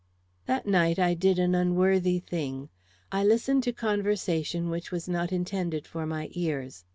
That night I did an unworthy thing; I listened to conversation which was not intended for my ears.